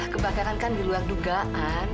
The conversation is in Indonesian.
kebakaran kan diluang dugaan